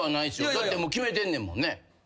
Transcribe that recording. だってもう決めてんねんもんね。